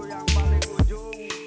bapak haji insinyur jokowi